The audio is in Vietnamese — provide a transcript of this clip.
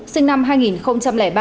sinh năm hai nghìn ba